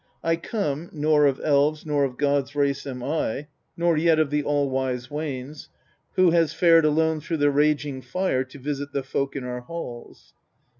18. I come, nor of elves' nor of gods' race am I, nor yet of the all wise Wanes ; yet have I fared through the raging fire to visit the folk in your halls.